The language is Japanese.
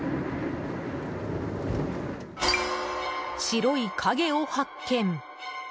白い影を発見！